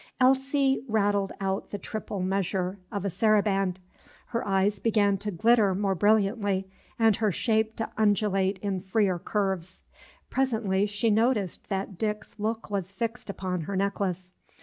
Elsie rattled out the triple measure of a saraband. Her eyes began to glitter more brilliantly, and her shape to undulate in freer curves. Presently she noticed that Dick's look was fixed upon her necklace.